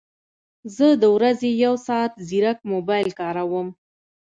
زه د ورځې یو ساعت ځیرک موبایل کاروم